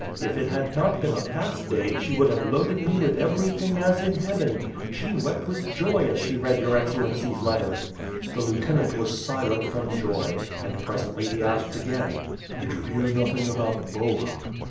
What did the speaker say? If it had not been a fast day, she would have loaded me with every thing as in Heaven. She wept with joy as she read your Ex cellency's letter." The lieutenant was silent from joy, and presently, he asked again: "Did you hear nothing about Bohun?"